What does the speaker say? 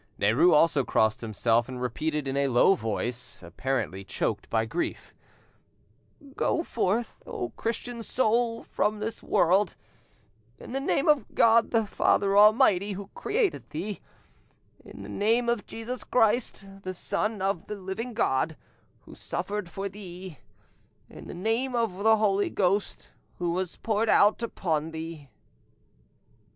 Derues also crossed himself, and repeated in a low voice, apparently choked by grief "Go forth, O Christian soul, from this world, in the name of God the Father Almighty, who created thee; in the name of Jesus Christ, the Son of the living God, who suffered for thee; in the name of the Holy Ghost, who was poured out upon thee."